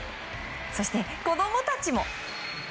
そして、子供たちも。